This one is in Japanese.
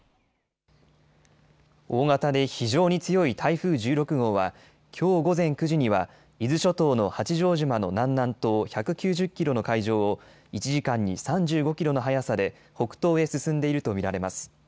大型で非常に強い台風１６号はきょう午前９時には伊豆諸島の八丈島の南南東１９０キロの海上を１時間に３５キロの速さで北東へ進んでいると見られます。